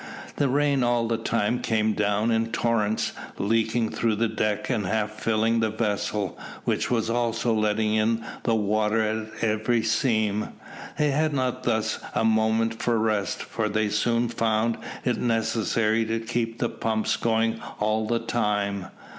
The rain all the time came down in torrents, leaking through the deck and half filling the vessel, which was also letting in the water at every seam. They had thus not a moment for rest, for they soon found it necessary to keep the pumps going all the time.